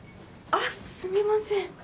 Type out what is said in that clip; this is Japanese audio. あっすみません。